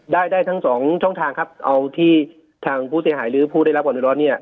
ได้ได้ทั้งสองช่องทางครับเอาที่ทางผู้เสียหายหรือผู้ได้รับความเดือดร้อนเนี่ย